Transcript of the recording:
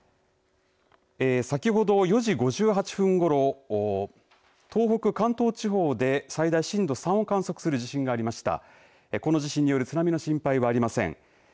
先ほど４時５８分ごろ東北、関東地方で最大震度３を観測する地震がありました。